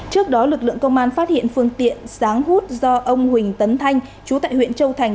trước đó lực lượng công an phát hiện phương tiện sáng hút do ông huỳnh tấn thanh chú tại huyện châu thành